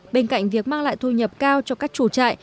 bên cạnh việc mang lại thu nhập cao cho các chủ trại